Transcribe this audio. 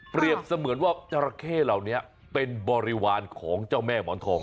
เสมือนว่าจราเข้เหล่านี้เป็นบริวารของเจ้าแม่หมอนทอง